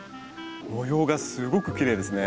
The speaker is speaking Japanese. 模様がすごくきれいですね。